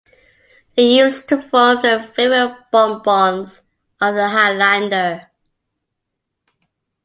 They used to form the favourite bon-bons of the highlander.